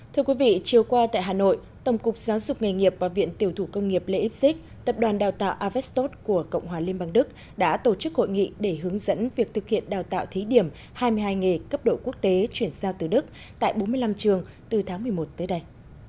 thưa quý vị chiều qua tại hà nội tổng cục giáo dục nghề nghiệp và viện tiểu thủ công nghiệp lê íp xích tập đoàn đào tạo avestot của cộng hòa liên bang đức đã tổ chức hội nghị để hướng dẫn việc thực hiện đào tạo thí điểm hai mươi hai nghề cấp độ quốc tế chuyển giao từ đức tại bốn mươi năm trường từ tháng một mươi một tới đây